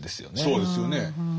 そうですよね。